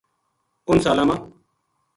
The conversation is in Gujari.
اُنھ سالاں ما